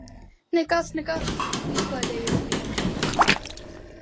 Nekas, nekas, izklaidējies vien.